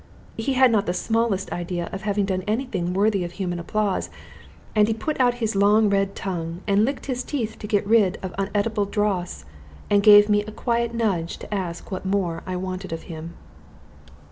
He had not the smallest idea of having done any thing worthy of human applause; and he put out his long red tongue and licked his teeth to get rid of uneatable dross, and gave me a quiet nudge to ask what more I wanted of him.